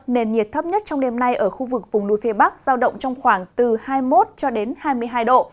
nền nhiệt thấp nhất trong đêm nay ở khu vực vùng núi phía bắc giao động trong khoảng từ hai mươi một cho đến hai mươi hai độ